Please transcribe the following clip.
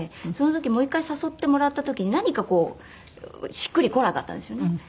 その時もう一回誘ってもらった時に何かこうしっくりこなかったんですよね。